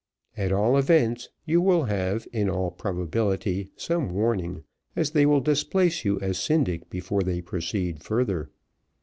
At all events you will have, in all probability, some warning, as they will displace you as syndic before they proceed further.